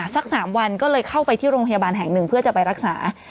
สัก๓วันก็เลยเข้าไปที่โรงพยาบาลแห่งหนึ่งเพื่อจะไปรักษา